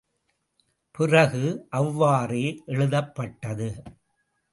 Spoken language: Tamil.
பிறகு, அவ்வாறே எழுதப்பட்டது.